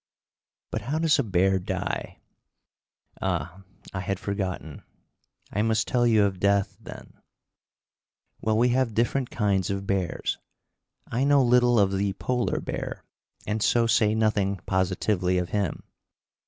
But how does a bear die? Ah, I had forgotten. I must tell you of death, then. Well, we have different kinds of bears. I know little of the Polar bear, and so say nothing positively of him.